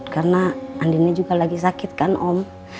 karena andiennya juga lagi sakit kan om